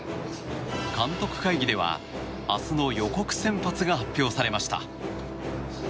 監督会議では、明日の予告先発が発表されました。